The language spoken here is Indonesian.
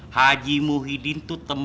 haji muhyiddin tuh teman